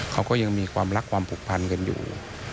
เขาก็ยังมีความรักความผูกพันกันอยู่